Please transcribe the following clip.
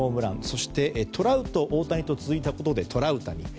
そしてトラウト、大谷と続いたことでトラウタニ。